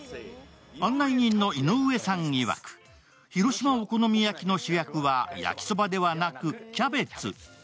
案内人の井上さんいわく、広島お好み焼きの主役は焼きそばではなくキャベツ。